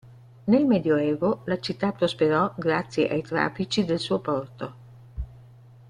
Nel Medioevo la città prosperò grazie ai traffici del suo porto.